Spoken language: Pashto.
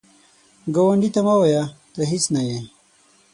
ګاونډي ته مه وایه “ته هیڅ نه یې”